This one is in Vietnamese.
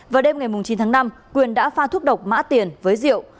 vào đêm ngày chín tháng năm quyền đã pha thuốc độc mã tiền với rượu